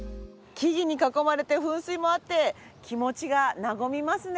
木々に囲まれて噴水もあって気持ちが和みますね。